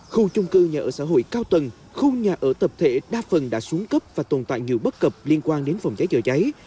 khu chung cư nhà ở xã hội cao tầng khu nhà ở tập thể đa phần đã xuống cấp và tồn tại nhiều bất cập liên quan đến phòng cháy chữa cháy